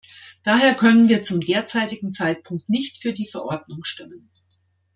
Daher können wir zum derzeitigen Zeitpunkt nicht für die Verordnung stimmen.